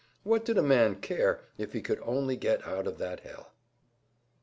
What did a man care, if he could only get out of that hell!